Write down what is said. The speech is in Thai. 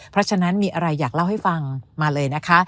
เพราะฉะนั้นมีอะไรอยากเล่าให้ฟังมาเลยนะคะ